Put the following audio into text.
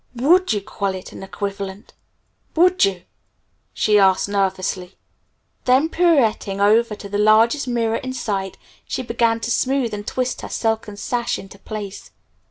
"Would you call it an equivalent? Would you?" she asked nervously. Then pirouetting over to the largest mirror in sight she began to smooth and twist her silken sash into place.